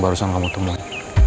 barusan kamu temuin